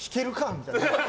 みたいな。